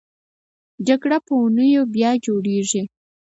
جګر په اونیو بیا جوړېږي.